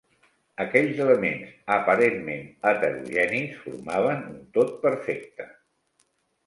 Aquells elements aparentment heterogenis formaven un tot perfecte.